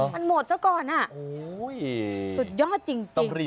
มันหมดเจ้าก่อนอ่ะสุดยอดจริง